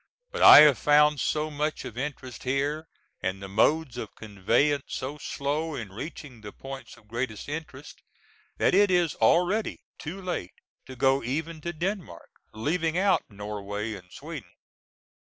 But I have found so much of interest here, and the modes of conveyance so slow in reaching the points of greatest interest, that it is already too late to go even to Denmark, leaving out Norway and Sweden.